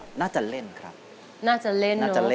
โอ้โหไปทบทวนเนื้อได้โอกาสทองเลยนานทีเดียวเป็นไงครับวาว